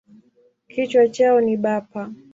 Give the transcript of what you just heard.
Kichwa chao ni bapa.